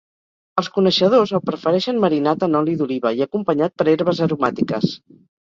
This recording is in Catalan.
Els coneixedors el prefereixen marinat en oli d'oliva i acompanyat per herbes aromàtiques.